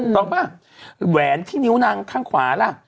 ป่ะแหวนที่นิ้วนางข้างขวาล่ะ